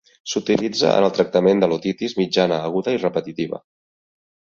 S'utilitza en el tractament de l'otitis mitjana aguda repetitiva.